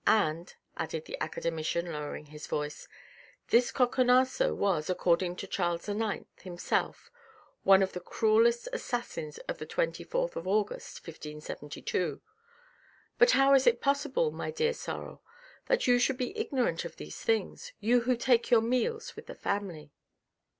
And," added the academician lowering his voice, " this Coconasso was, according to Charles IX. himself, one of the cruellest assassins of the twenty fourth August, 1572. But how is it possible, my dear Sorel, that you should be ignorant of these things — you who take your meals with the family."